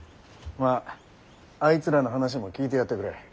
まああいつらの話も聞いてやってくれ。